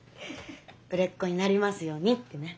売れっ子になりますようにってね。